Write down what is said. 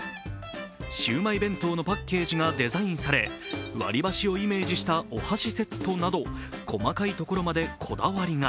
シウマイ弁当のパッケージがデザインされ、割り箸をイメージしたお箸セットなど細かいところまでこだわりが。